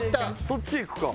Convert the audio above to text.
そっち行くか。